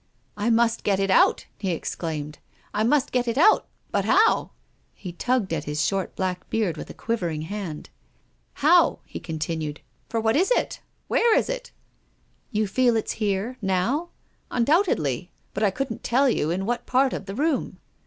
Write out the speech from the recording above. " I must get it out," he exclaimed. " I must get it out. But how? " He tugged at his short black beard with a quiv ering hand. "How?" he continued. "For what is it? Where is it?" " You feel it's here — now? "" Undoubtedly. But I couldn't tell you in what part of the room."